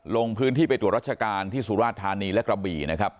ลงพื้นที่ไปตรวจรัชการที่สุราชธานีและกระบี่นะครับ